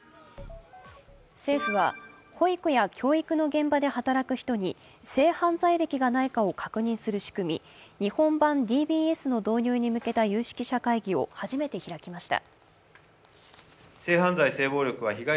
政府は保育や教育の現場で働く人に性犯罪歴がないかを確認する仕組み、日本版ＤＢＳの導入に向けた有識者会議を初めて開きました。